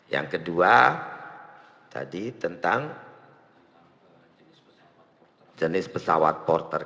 yang kedua tadi tentang jenis pesawat porter